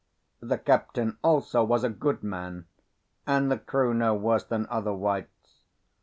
The captain also was a good man, and the crew no worse than other whites.